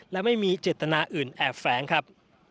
และไม่มีเจตนาอื่นแอบแฝงครับ